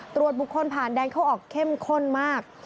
ตรวจบุคคลผ่านแดนเขาออกเข้มข้นมาก